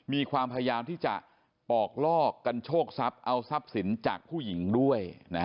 มีความพยายามที่จะปอกลอกกันโชคทรัพย์เอาทรัพย์สินจากผู้หญิงด้วย